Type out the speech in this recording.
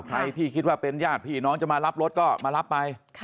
ใครที่คิดว่าเป็นญาติพี่น้องจะมารับรถก็มารับไป